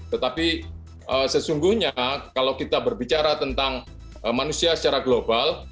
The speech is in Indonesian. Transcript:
tetapi sesungguhnya kalau kita berbicara tentang manusia secara global